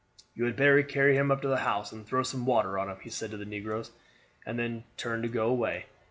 "You had better carry him up to the house and throw some water on him," he said to the negroes, and then turned to go away.